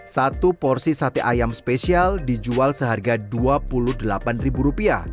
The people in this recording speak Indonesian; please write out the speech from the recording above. satu porsi sate ayam spesial dijual seharga rp dua puluh delapan